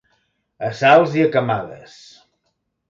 A salts i a camades.